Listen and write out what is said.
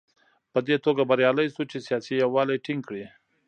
په دې توګه بریالی شو چې سیاسي یووالی ټینګ کړي.